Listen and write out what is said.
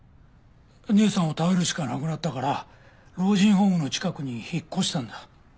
姉さんを頼るしかなくなったから老人ホームの近くに引っ越したんだ。